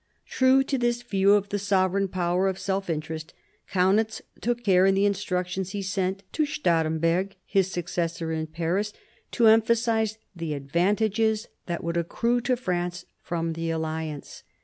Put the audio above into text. True to his view of the sovereign power of self interest, Kaunitz took care in the instructions he sent to Stahremberg, his successor in Paris, to emphasise the advantages that would accrue to France from the alliance.